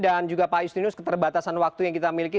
dan juga pak justinus keterbatasan waktu yang kita miliki